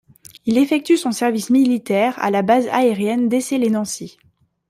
Il effectue son service militaire à la base aérienne d'Essey lès Nancy.